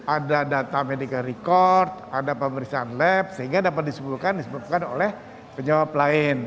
ada data medical record ada pemeriksaan lab sehingga dapat disebutkan oleh penjawab lain